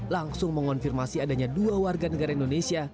langsung mengonfirmasi adanya dua warga negara indonesia